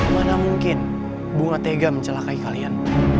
mana mungkin bunga tega mencelakai kalian